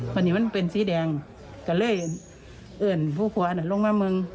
วันนี้มันเป็นสีแดงก็เลยเอิญผู้ผัวน่ะลงมามึง